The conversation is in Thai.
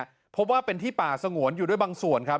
เพราะว่าเป็นที่ป่าสงวนอยู่ด้วยบางส่วนครับ